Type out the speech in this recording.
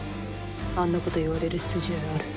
あんなこと言われる筋合いある？